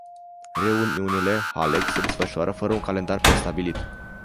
Reuniunile hleg se desfășoară fără un calendar prestabilit.